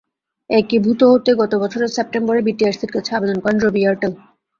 একীভূত হতে গত বছরের সেপ্টেম্বরে বিটিআরসির কাছে আবেদন করে রবি এয়ারটেল।